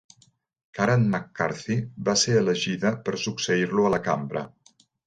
Karen McCarthy va ser elegida per succeir-lo a la Cambra.